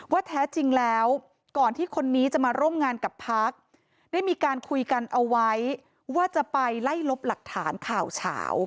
แท้จริงแล้วก่อนที่คนนี้จะมาร่วมงานกับพักได้มีการคุยกันเอาไว้ว่าจะไปไล่ลบหลักฐานข่าวเฉา